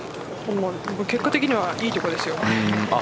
結果的にはいい所ですよ。